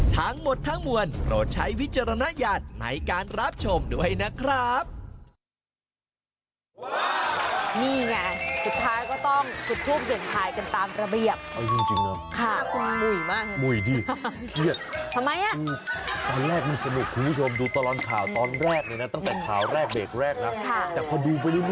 ทั้งหมดทั้งมวลโปรดใช้วิจารณญาณในการรับชมด้วยนะครับ